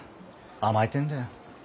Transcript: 甘えてんだよ。